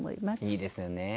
いいですよね。